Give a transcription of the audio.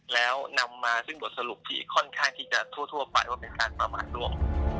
แล้วนำมาซึ่งบทสรุปที่ค่อนข้างที่จะทั่วไปว่าเป็นการประมาทร่วม